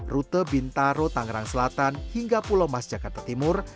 rute bintaro tangerang selatan hingga pulau masjakat tengah